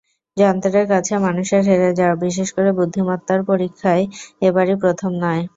যন্ত্রের কাছে মানুষের হেরে যাওয়া, বিশেষ করে বুদ্ধিমত্তার পরীক্ষায়, এবারই প্রথম নয়।